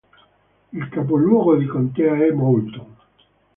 Il capoluogo di contea è Moulton.